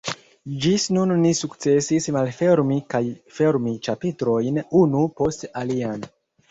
Ĝis nun ni sukcesis malfermi kaj fermi ĉapitrojn unu post alian.